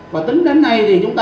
và tính đến nay thì chúng ta